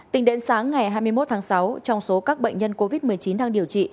tính đến sáng ngày hai mươi một tháng sáu trong số các bệnh nhân covid một mươi chín đang điều trị